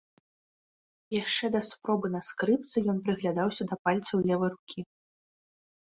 Яшчэ да спробы на скрыпцы ён прыглядаўся да пальцаў левай рукі.